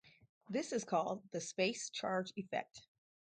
This is called the "space charge effect".